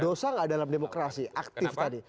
dosa gak dalam demokrasi aktif tadi